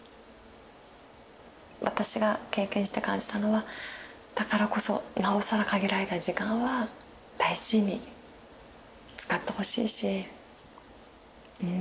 私が経験して感じたのはだからこそなおさら限られた時間は大事に使ってほしいしうん。